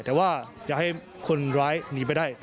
แต่ว่าอย่าให้คนร้ายหนีไปได้